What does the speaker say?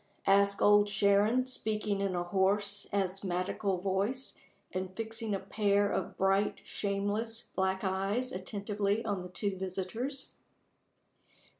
asked Old Sharon, speaking in a hoarse, asthmatical voice, and fixing a pair of bright, shameless, black eyes attentively on the two visitors.